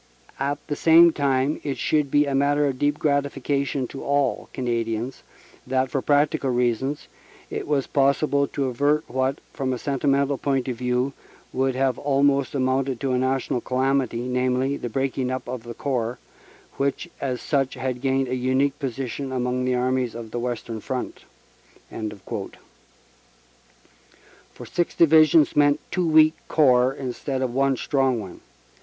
At the same time it should be a matter of deep gratification to all Canadians that, for practical reasons, it was possible to avert what, from a sentimental point of view, would have almost amounted to a national calamity, namely, the breaking up of a Corps, which as such had gained a unique position among the armies of the Western Front." For six Divisions meant two weak Corps instead of one strong one.